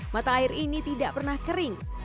mata air ini tidak pernah kering